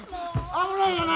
危ないがな！